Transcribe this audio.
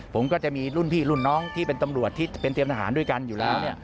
ผมก็จะมีรุ่นพี่รุ่นน้องที่เป็นตำรวจที่เป็นเตรียมทหารด้วยกันอยู่แล้ว